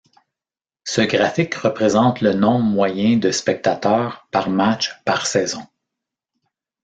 Ce graphique représente le nombre moyen de spectateurs par match par saison.